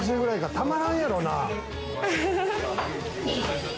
たまらんやろうな。